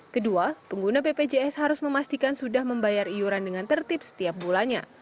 kedua pengguna bpjs harus memastikan sudah membayar iuran dengan tertib setiap bulannya